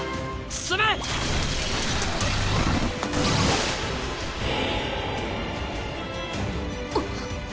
進め！あっ。